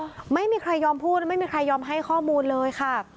ไม่มีใครยอมพูดไม่มีใครยอมให้ข้อมูลเลยค่ะ